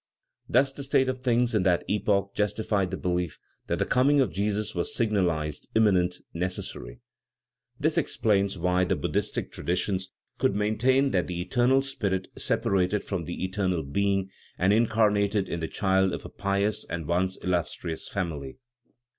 Thus the state of things in that epoch justified the belief that the coming of Jesus was signalized, imminent, necessary. This explains why the Buddhistic traditions could maintain that the eternal Spirit separated from the eternal Being and incarnated in the child of a pious and once illustrious family.